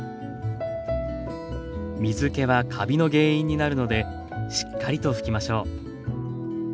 水けはカビの原因になるのでしっかりと拭きましょう。